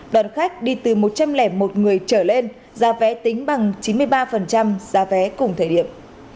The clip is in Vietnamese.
đoàn khách đi từ một trăm linh một người trở lên giá vé tính bằng chín mươi ba giá vé cùng thời điểm